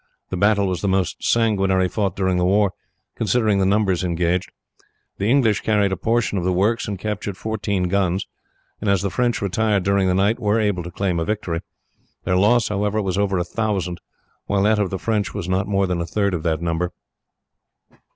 The battle was the most sanguinary fought during the war, considering the numbers engaged. The English carried a portion of the works, and captured fourteen guns, and, as the French retired during the night, were able to claim a victory. Their loss, however, was over a thousand, while that of the French was not more than a third of that number.